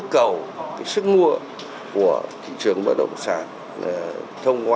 chỉ là duy nhất có cái trước cái này chúng ta vẫn thị trường bất động sản vẫn đang bị phụ thuộc quá nhiều vào cái thị trường tiến dụng